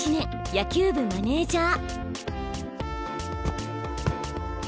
野球部マネージャー